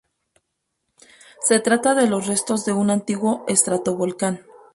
Se trata de los restos de un antiguo estratovolcán.